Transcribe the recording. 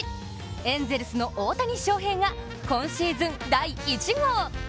エンゼルスの大谷翔平が今シーズン第１号！